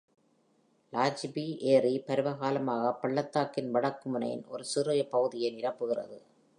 லாஜிபி ஏரி பருவகாலமாக பள்ளத்தாக்கின் வடக்கு முனையின் ஒரு சிறிய பகுதியை நிரப்புகிறது.